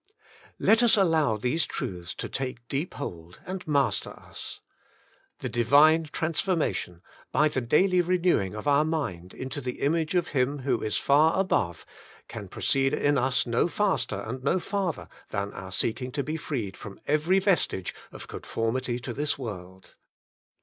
Let us allow these truths to take deep hold and master us. The Divine transformation, by the daily renewing of our mind into the image of Him who is far above, can proceed in us no faster and no farther than our seeking to be freed from every vestige of conformity to this world.